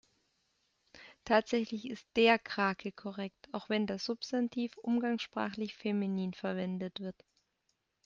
Tatsächlich ist der Krake korrekt, auch wenn das Substantiv umgangssprachlich feminin verwendet wird.